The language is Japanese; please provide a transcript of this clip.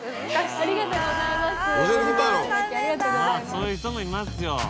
そういう人もいますよ。